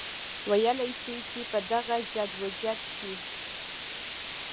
وئيلی شي چې پۀ دغه جدوجهد کې